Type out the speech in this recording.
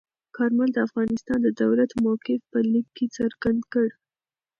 کارمل د افغانستان د دولت موقف په لیک کې څرګند کړ.